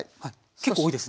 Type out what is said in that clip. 結構多いですね。